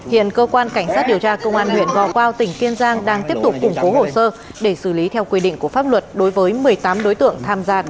hiện cơ quan cảnh sát điều tra công an huyện gò quao tỉnh kiên giang đang tiếp tục củng cố hồ sơ để xử lý theo quy định của pháp luật đối với một mươi tám đối tượng tham gia